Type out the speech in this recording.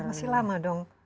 masih lama dong